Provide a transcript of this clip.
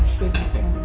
aku mau makan malam